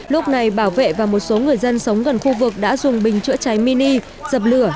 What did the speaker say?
lúc này bảo vệ và một số người dân sống gần khu vực đã dùng bình chữa cháy mini dập lửa